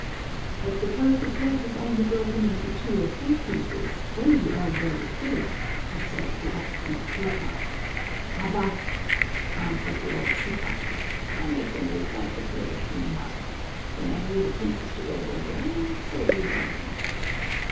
"But suppose the plate is only broken into two or three pieces, then you earn very few," observed the obstinate Rufa. "Abá!" answered old Sipa. "I make them recite the prayers anyhow. Then I glue the pieces together again and so lose nothing."